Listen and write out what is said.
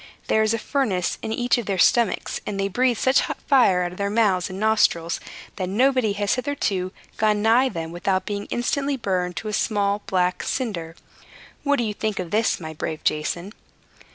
There is a furnace in each of their stomachs; and they breathe such hot fire out of their mouths and nostrils, that nobody has hitherto gone nigh them without being instantly burned to a small, black cinder. What do you think of this, my brave Jason?"